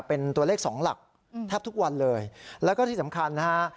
เป็นตัวเลขสองหลักแทบทุกวันเลยแล้วก็ที่สำคัญนะฮะ